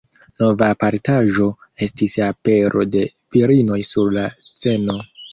Nova apartaĵo estis apero de virinoj sur la sceno.